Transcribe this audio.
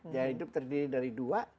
gaya hidup terdiri dari dua